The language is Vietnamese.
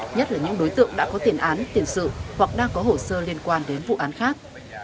nhất là những đối tượng đã có tiền án tiền sự hoặc đang có hổ sơ liên quan đến vụ án khác